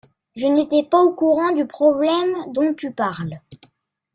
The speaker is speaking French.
Je n'étais pas au courant du problème dont tu parles.